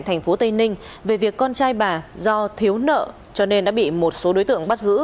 thành phố tây ninh về việc con trai bà do thiếu nợ cho nên đã bị một số đối tượng bắt giữ